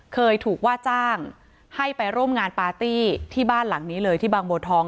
เคยถูกว่าจ้างให้ไปร่วมงานปาร์ตี้ที่บ้านหลังนี้เลยที่บางบัวทอง